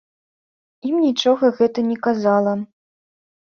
Ім нічога гэта не казала.